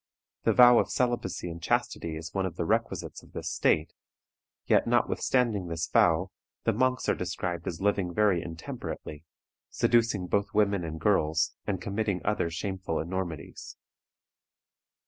The vow of celibacy and chastity is one of the requisites of this state, yet, notwithstanding this vow, the monks are described as living very intemperately, seducing both women and girls, and committing other shameful enormities.